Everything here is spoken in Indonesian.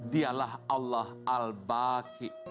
dialah allah al baki